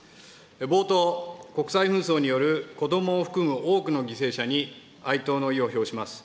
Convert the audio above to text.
冒頭、国際紛争による子どもを含む多くの犠牲者に哀悼の意を表します。